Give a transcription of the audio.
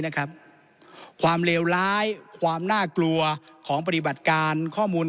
นะครับความเลวร้ายความน่ากลัวของปฏิบัติการข้อมูล